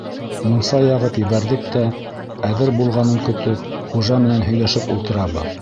Мунса яғып ебәрҙек тә, әҙер булғанын көтөп, хужа менән һөйләшеп ултырабыҙ.